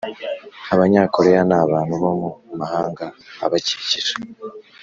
abanyakoreya n’abantu bo mu mahanga abakikije